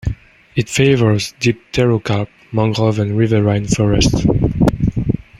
It favors dipterocarp, mangrove and riverine forests.